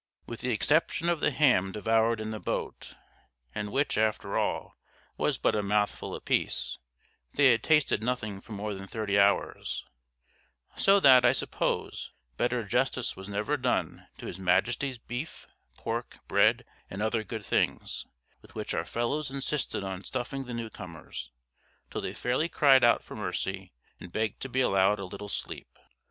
With the exception of the ham devoured in the boat, and which, after all, was but a mouthful apiece, they had tasted nothing for more than thirty hours; so that, I suppose, better justice was never done to his Majesty's beef, pork, bread, and other good things, with which our fellows insisted on stuffing the newcomers, till they fairly cried out for mercy and begged to be allowed a little sleep.